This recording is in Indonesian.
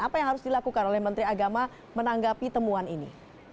apa yang harus dilakukan oleh menteri agama menanggapi temuan ini